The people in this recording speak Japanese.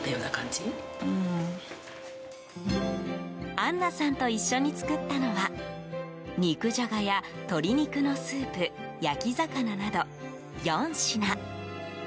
アンナさんと一緒に作ったのは肉じゃがや鶏肉のスープ焼き魚など、４品。